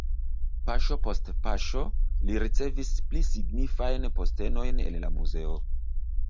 Paŝo post paŝo li ricevis pli signifajn postenojn en la muzeo.